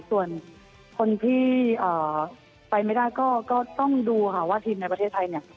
ส่วนคนที่ไปไม่ได้ก็ต้องดูค่ะว่าทีมในประเทศไทยเนี่ย